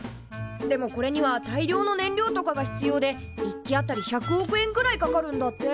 でもこれには大量の燃料とかが必要で１機あたり１００億円くらいかかるんだって。